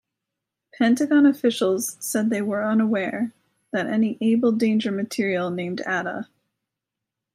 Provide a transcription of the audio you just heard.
Pentagon officials said they were unaware that any Able Danger material named Atta.